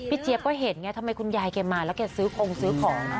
เจี๊ยบก็เห็นไงทำไมคุณยายแกมาแล้วแกซื้อคงซื้อของ